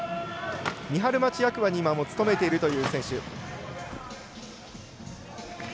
三春町役場に今も勤めているという選手。